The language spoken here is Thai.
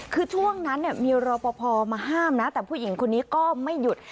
คือช่วงนั้นเนี่ยมีรอปภมาห้ามนะแต่ผู้หญิงคนนี้ก็ไม่หยุด